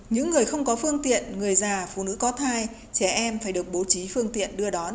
những người không có phương tiện người già phụ nữ có thai trẻ em phải được bố trí phương tiện đưa đón